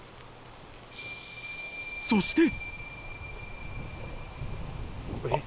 ［そして］